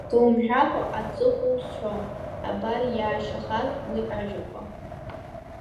Ажәа ахы умҳәакәа, аҵыхәа узҳәом, абар иаишьахаз уи ажәаԥҟа.